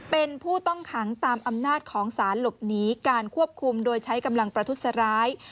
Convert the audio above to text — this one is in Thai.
เป็นผู้ต้องขังตามอำนาจของสารหลบหนีการควบคุมโดยใช้กำลังประทุษร้าย